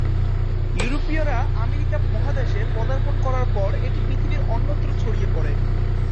ইউরোপীয়রা আমেরিকা মহাদেশে পদার্পণ করার পর এটি পৃথিবীর অন্যত্র ছড়িয়ে পড়ে।